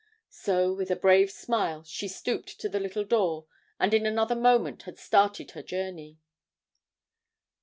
So with a brave smile she stooped to the little door, and in another moment had started her journey.